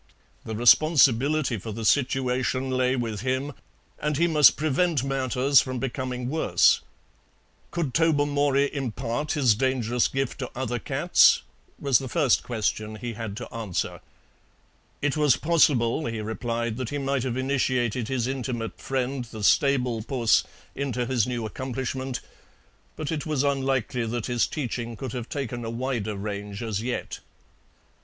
The responsibility for the situation lay with him, and he must prevent matters from becoming worse. Could Tobermory impart his dangerous gift to other cats? was the first question he had to answer. It was possible, he replied, that he might have initiated his intimate friend the stable puss into his new accomplishment, but it was unlikely that his teaching could have taken a wider range as yet.